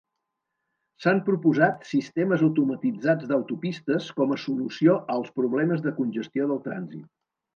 S'han proposat sistemes automatitzats d'autopistes com a solució als problemes de congestió del trànsit.